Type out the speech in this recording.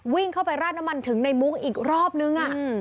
วิ่งเข้าไปราดน้ำมันถึงในมุ้งอีกรอบนึง